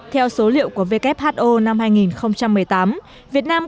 theo số liệu của who năm hai nghìn một mươi tám